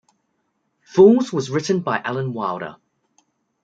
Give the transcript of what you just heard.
"Fools" was written by Alan Wilder.